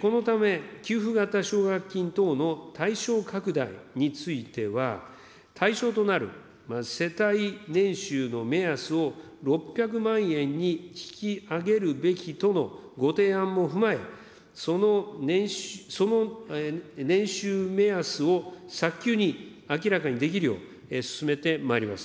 このため、給付型奨学金等の対象拡大については、対象となる世帯年収の目安を６００万円に引き上げるべきとのご提案も踏まえ、その年収目安を早急に明らかにできるよう、進めてまいります。